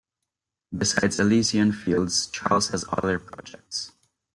Besides Elysian Fields, Charles has other projects.